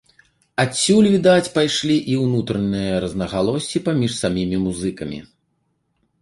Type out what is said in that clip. Адсюль, відаць, пайшлі і ўнутраныя рознагалоссі паміж самімі музыкамі.